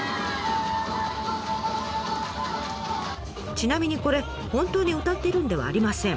ちなみにこれ本当に歌っているんではありません。